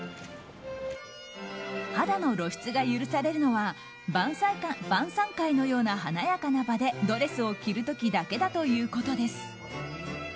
肌の露出が許されるのは晩さん会のような華やかな場でドレスを着る時だけだということです。